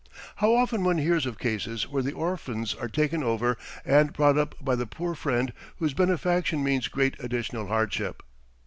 How often one hears of cases where the orphans are taken over and brought up by the poor friend whose benefaction means great additional hardship!